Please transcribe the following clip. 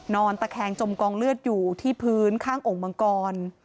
นอนตะแคงจมกองเลือดอยู่ที่พื้นข้างองค์มังกร